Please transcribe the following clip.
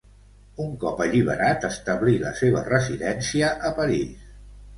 Un cop alliberat, establí la seva residència a París.